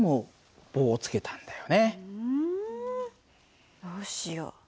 うんどうしよう。